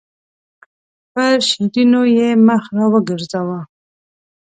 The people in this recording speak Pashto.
پر شیرینو یې مخ راوګرځاوه.